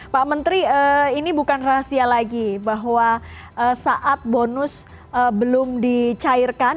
pak menteri ini bukan rahasia lagi bahwa saat bonus belum dicairkan